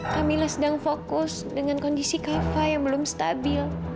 kami sedang fokus dengan kondisi kava yang belum stabil